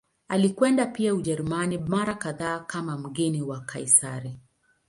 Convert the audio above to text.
Alikwenda pia Ujerumani mara kadhaa kama mgeni wa Kaisari.